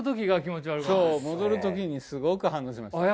そう戻る時にすごく反応しましたあっ